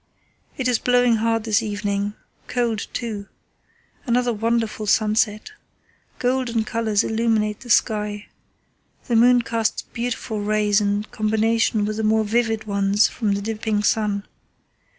"It is blowing hard this evening, cold too. Another wonderful sunset. Golden colours illuminate the sky. The moon casts beautiful rays in combination with the more vivid ones from the dipping sun.